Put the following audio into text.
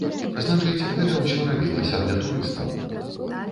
Значыць, гэта ўсё рабілася для турыстаў.